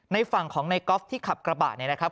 ในฝั่งของในกอล์ฟที่ขับกระบะเนี่ยนะครับ